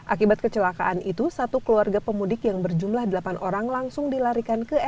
akibat kecelakaan itu satu keluarga pemudik yang berjumlah delapan orang langsung dilarikan ke rs